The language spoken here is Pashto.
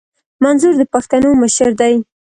منظور د پښتنو مشر دي